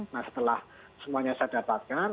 nah setelah semuanya saya dapatkan